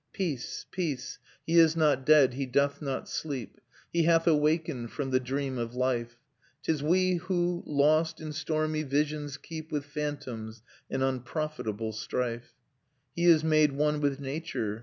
Peace, peace! he is not dead, he doth not sleep! He hath awakened from the dream of life. 'Tis we who, lost in stormy visions, keep With phantoms an unprofitable strife. "He is made one with Nature.